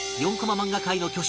漫画界の巨匠